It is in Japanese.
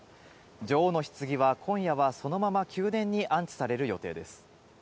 女王のひつぎは今夜はそのまま宮殿に安置される予定です。